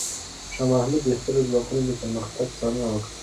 شاه محمود د خپلو ځواکونو د پرمختګ څارنه وکړه.